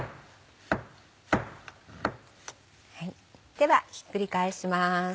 ではひっくり返します。